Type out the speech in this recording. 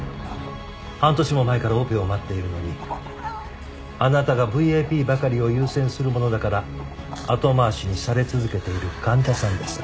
半年も前からオペを待っているのにあなたがＶＩＰばかりを優先するものだから後回しにされ続けている患者さんです。